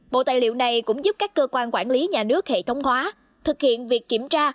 bộ tài liệu này cũng giúp các cơ quan quản lý nhà nước hệ thống hóa thực hiện việc kiểm tra